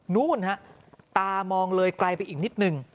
นู่นฮะตามองเลยไกลไปอีกนิดนึง